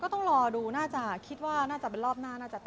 ต้องรอดูน่าจะคิดว่าน่าจะเป็นรอบหน้าน่าจะตาม